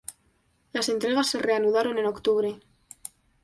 Las entregas se reanudaron en octubre.